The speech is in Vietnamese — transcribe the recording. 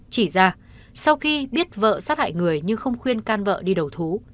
chỉ ra sau khi biết vợ sát hại người nhưng không khuyên can vợ đi đầu thú